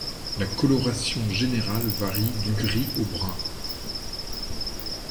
La coloration générale varie du gris au brun.